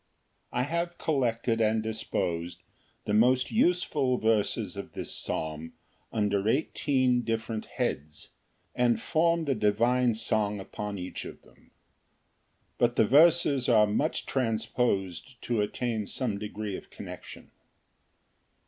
I have collected and disposed the most useful verses of this psalm under eighteen different heads, and formed a divine song upon each of them. But the verses are much transposed to attain some degree of connection.